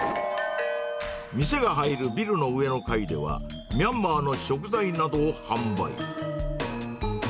店が入るビルの上の階では、ミャンマーの食材などを販売。